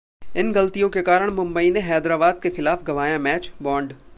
इन गलतियों के कारण मुंबई ने हैदराबाद के खिलाफ गंवाया मैच: बॉन्ड